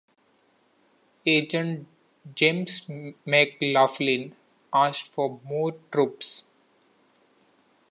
Agent James McLaughlin asked for more troops.